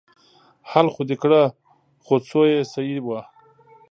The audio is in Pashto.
حل خو دې کړه خو څو يې صيي وه.